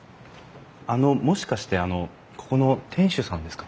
あのもしかしてあのここの店主さんですか？